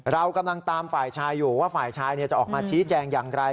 เรากำลังตามฝ่ายชายอยู่ว่าฝ่ายชายจะออกมาชี้แจงอย่างไร